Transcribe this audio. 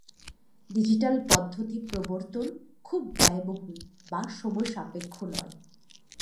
Digital পদ্ধতি প্রবর্তন খুব ব্যয়বহুল বা সময়সাপেক্ষ নয়।